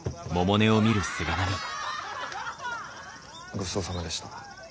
ごちそうさまでした。